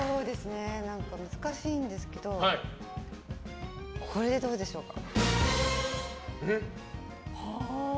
難しいんですけどこれでどうでしょうか。